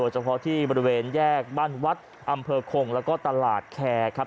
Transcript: เฉพาะที่บริเวณแยกบ้านวัดอำเภอคงแล้วก็ตลาดแคร์ครับ